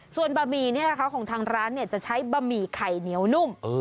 ส่วนบะหมี่ของทางร้านจะใช้บะหมี่ไข่เหนียวนุ่ม